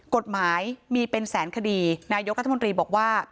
กฎหมายมีเป็นแสนคดีนายกรัฐมนตรีบอกว่า